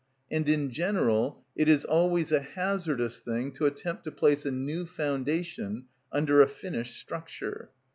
And in general it is always a hazardous thing to attempt to place a new foundation under a finished structure.